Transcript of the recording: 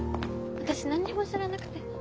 私何にも知らなくて。